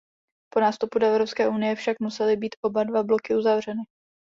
Po nástupu do Evropské unie však musely být oba dva bloky uzavřeny.